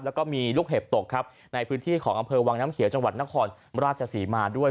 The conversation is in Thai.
แล้วก็มีลูกเห็บตกครับในพื้นที่ของอำเภอวังน้ำเขียวจังหวัดนครราชศรีมาด้วย